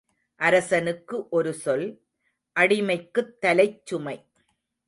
அரசனுக்கு ஒரு சொல், அடிமைக்குத் தலைச் சுமை.